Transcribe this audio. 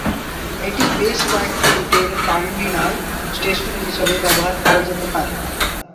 এটি বেশ কয়েকটি রুটের টার্মিনাল স্টেশন হিসাবে ব্যবহার করা যেতে পারে।